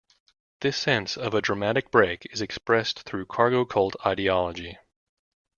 This sense of a dramatic break is expressed through cargo cult ideology.